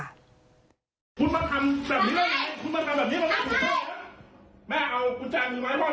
พ่อไม่เห็นแรงงานไหม